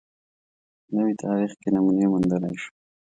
په نوي تاریخ کې نمونې موندلای شو